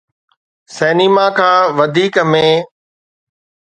cinema کان وڌيڪ ۾